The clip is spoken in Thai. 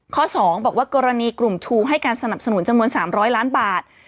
๒บอกว่ากรณีกลุ่มทูให้การสนับสนุนจำนวน๓๐๐ล้านบาท